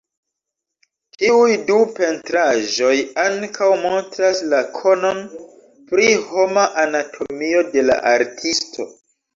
Tiuj du pentraĵoj ankaŭ montras la konon pri homa anatomio de la artisto.